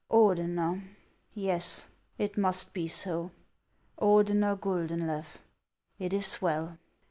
" Ordener ! Yes, it must be so ; Ordener Guldenlew ! It is well.